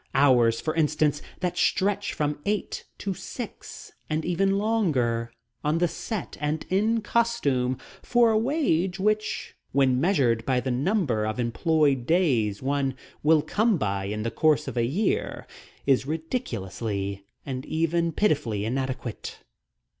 (Hours, for instance, that stretch from eight to six and even longer, on the set and in costume, for a wage which, when measured by the number of employed days one will come by in the course of a year, is ridiculously and even pitifully inadequate.)